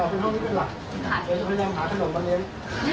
ก็เอาตำเต่าเชียงหัวข้างเทศไทยนะ